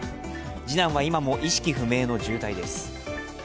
次男は今も意識不明の重体です。